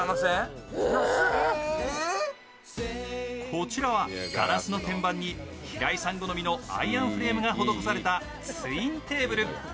こちらは、ガラスの天板に平井さん好みのアイアンフレームが施されたツインテーブル。